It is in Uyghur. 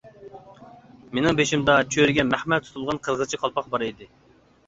مېنىڭ بېشىمدا چۆرىگە مەخمەل تۇتۇلغان قىرغىزچە قالپاق بار ئىدى.